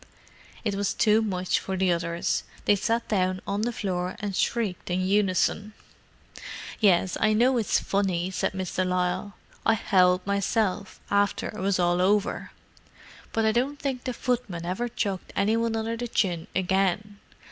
It was too much for the others. They sat down on the floor and shrieked in unison. "Yes, I know it's funny," said Miss de Lisle. "I howled myself, after it was all over. But I don't think the footman ever chucked any one under the chin again.